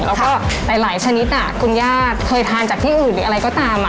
แล้วก็หลายชนิดคุณย่าเคยทานจากที่อื่นหรืออะไรก็ตาม